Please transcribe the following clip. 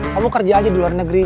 kamu kerja aja di luar negeri